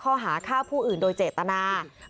คอหามีอาวุธปืนเครื่องกระสุนปืนไว้ในครอบครองโดยไม่ได้รับอนุญาต